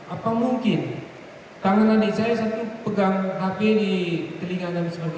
apa mungkin tangan adik saya satu pegang hp di telinga dan sebagainya